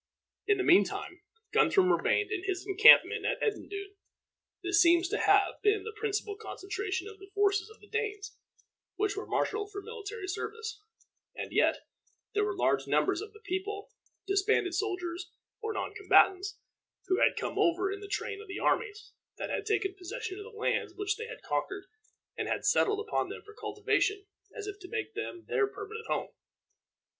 In the mean time, Guthrum remained in his encampment at Edendune. This seems to have been the principal concentration of the forces of the Danes which were marshaled for military service; and yet there were large numbers of the people, disbanded soldiers, or non combatants, who had come over in the train of the armies, that had taken possession of the lands which they had conquered, and had settled upon them for cultivation, as if to make them their permanent home.